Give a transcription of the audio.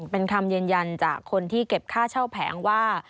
เป็นคำยืนยันจากคนที่เก็บค่าเช่าแผงว่า